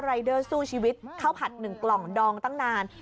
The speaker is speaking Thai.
รายเดอร์สู้ชีวิตข้าวผัด๑กล่องดองตั้งนาน